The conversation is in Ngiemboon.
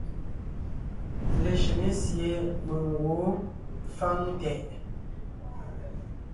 Leshʉŋé sie mèŋ gwǒon fáŋ tɛʼ.